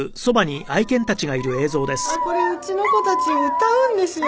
これうちの子たち歌うんですよ。